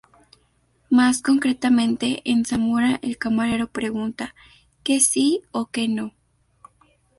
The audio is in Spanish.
Más concretamente, en Zamora el camarero pregunta: "¿Que sí o que no?